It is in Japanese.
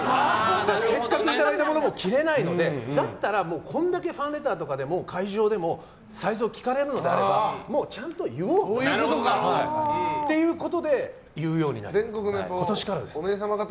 せっかくいただいたものも着れないのでだったらこれだけファンレターとかでも会場でもサイズを聞かれるのであればもうちゃんと言おうということで言うようになりました。